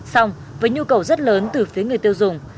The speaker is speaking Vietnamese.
xong với nhu cầu rất lớn từ phía người tiêu dùng